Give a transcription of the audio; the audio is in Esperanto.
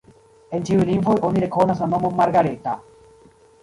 En ĉiuj lingvoj oni rekonas la nomon Margareta.